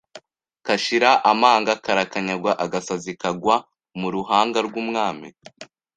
Kashira amanga karakanyagwaAgasazi kagwa mu ruhanga rw'umwami